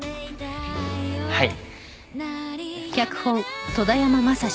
はい。